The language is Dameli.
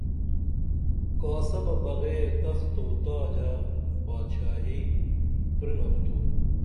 کاسہ بہ بغیر تخت او تاجہ بادشاہی پرینپ تو